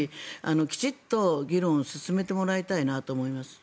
きちんと議論を進めてもらいたいなと思います。